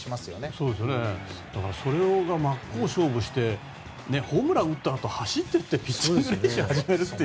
それで、真っ向勝負してホームランを打ったあと走っていってピッチング練習始めるって。